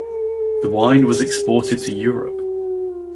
The wine was exported to Europe.